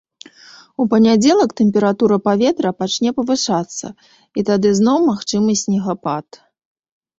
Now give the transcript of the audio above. У панядзелак тэмпература паветра пачне павышацца і тады зноў магчымы снегапад.